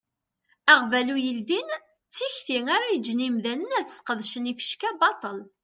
Aɣbalu yeldin d tikti ara yeǧǧen imdanen ad sqedcen ifecka baṭel.